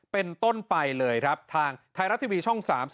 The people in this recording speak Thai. เป็นต้นไปเลยครับทางไทยรัฐทีวีช่อง๓๒